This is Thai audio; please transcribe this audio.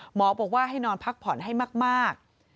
หมอบอกว่าให้นอนพักผ่อนให้มาก